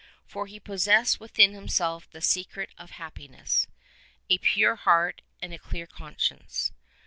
For he possessed within himself the secret of happiness — a pure heart and a clear conscience.